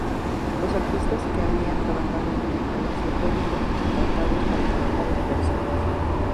Los artistas que habían trabajado en el palacio fueron contratados para trabajar en Versalles.